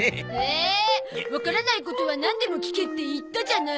わからないことはなんでも聞けって言ったじゃない。